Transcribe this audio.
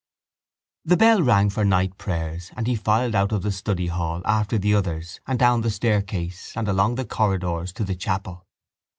The bell rang for night prayers and he filed out of the study hall after the others and down the staircase and along the corridors to the chapel.